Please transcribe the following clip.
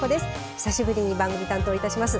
久しぶりに番組担当いたします。